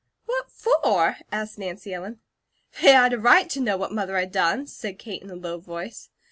"What for?" asked Nancy Ellen. "They had a right to know what Mother had done," said Kate in a low voice.